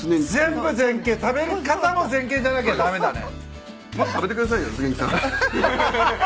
全部前傾食べ方も前傾じゃなきゃ駄目だね。